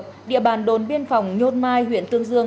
trong đó địa bàn đồn biên phòng nhôn mai huyện tương sơn